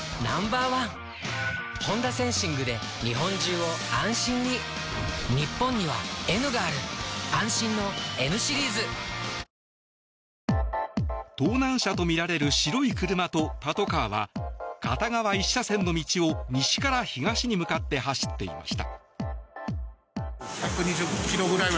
防犯カメラにはパトカーに追跡され盗難車とみられる白い車とパトカーは片側１車線の道を西から東に向かって走っていました。